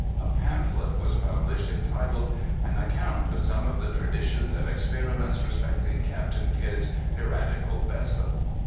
A pamphlet was published, entitled: "An Account of Some of the Traditions and Experiments Respecting Captain Kidd's Piratical Vessel."